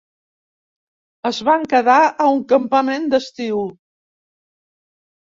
Es van quedar a un campament d'estiu.